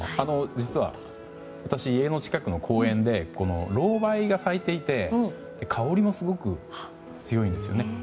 実は私、家の近くの公園でロウバイが咲いていて香りもすごく強いんですね。